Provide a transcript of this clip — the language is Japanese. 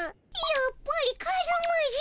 やっぱりカズマじゃ。